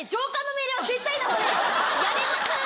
やれます。